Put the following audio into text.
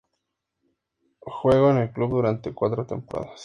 Jugó en el club durante cuatro temporadas.